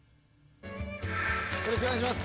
よろしくお願いします。